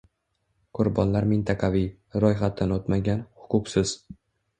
Qurbonlar mintaqaviy, ro'yxatdan o'tmagan, huquqsiz